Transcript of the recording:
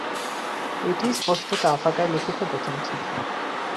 এটিই স্পষ্টত আফাকায় লিখিত প্রথম চিঠি।